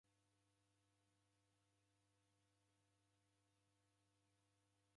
Okufunya wakfu kumdumikia Mlungu.